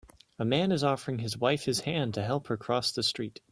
A man is offering his wife his hand to help her cross the street